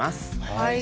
はい。